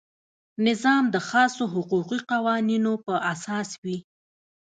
نظام د خاصو حقوقي قوانینو په اساس وي.